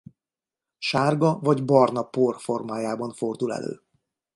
Sárga vagy barna por formájában fordul elő.